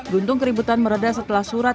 beruntung keributan meredah setelah surat